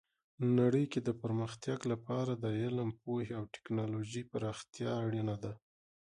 نړۍ کې د پرمختګ لپاره د علم، پوهې او ټیکنالوژۍ پراختیا اړینه ده.